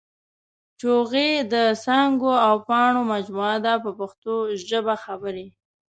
جوغې د څانګو او پاڼو مجموعه ده په پښتو ژبه خبرې.